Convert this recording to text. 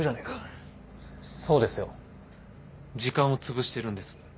そうですよ時間をつぶしてるんです。